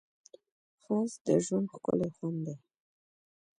ښایست د ژوند ښکلی خوند دی